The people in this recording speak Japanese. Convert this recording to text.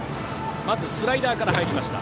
まずスライダーから入りました。